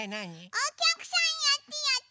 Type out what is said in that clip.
おきゃくさんやってやって。